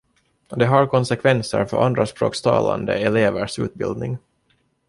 Det har konsekvenser för andraspråkstalande elevers utbildning .